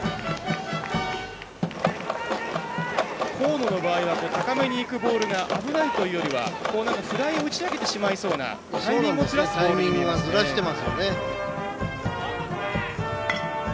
河野の場合は高めにいくボールが危ないというよりは、フライを打ち上げてしまいそうなタイミングをずらすボールですね。